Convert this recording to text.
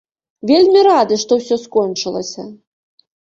Вельмі рады, што ўсё скончылася.